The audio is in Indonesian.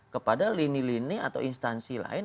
kepada lini lini atau instansi lain